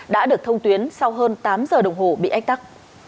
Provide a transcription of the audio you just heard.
đã được thông tuyến sau hơn tám giờ đồng hồ bị ách tắc